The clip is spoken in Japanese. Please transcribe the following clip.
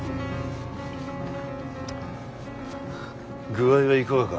具合はいかがか。